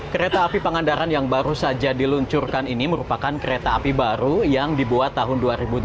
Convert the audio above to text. kereta api pangandaran yang baru saja diluncurkan ini merupakan kereta api baru yang dibuat tahun dua ribu delapan belas